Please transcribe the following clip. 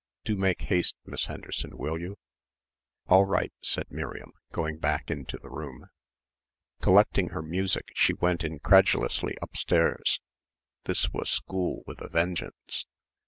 Do make haste, Miss Henderson, will you?" "All right," said Miriam, going back into the room. Collecting her music she went incredulously upstairs. This was school with a vengeance.